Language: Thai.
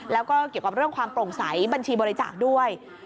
แล้วก็เกี่ยวกับเรื่องความโปร่งใสบัญชีบริจาคด้วย